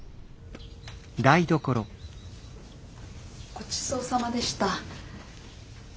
ごちそうさまでした。